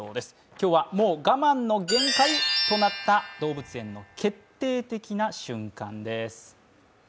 今日はもう我慢の限界となった動物園の決定的な瞬間です。